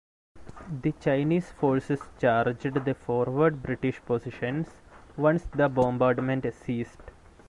The Chinese forces charged the forward British positions once the bombardment ceased.